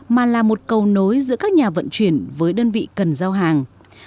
mà là một cầu nối giữa các nhà vận chuyển với đơn vị cần giao hàng